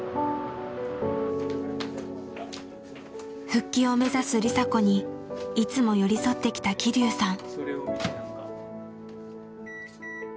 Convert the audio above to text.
復帰を目指す梨紗子にいつも寄り添ってきた希龍さん。